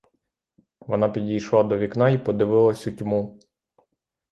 Вона підійшла до вікна й подивилась у тьму.